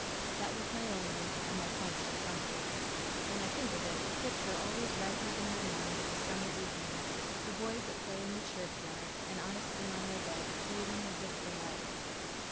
This was my only and my constant comfort. When I think of it, the picture always rises in my mind, of a summer evening, the boys at play in the churchyard, and I sitting on my bed, reading as if for life.